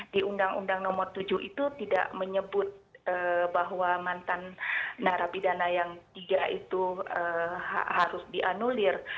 di undang undang nomor tujuh itu tidak menyebut bahwa mantan narapidana yang tiga itu harus dianulir